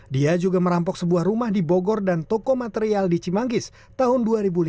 dia juga merampok sebuah rumah di bogor dan toko material di cimanggis tahun dua ribu lima belas